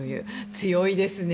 強いですね。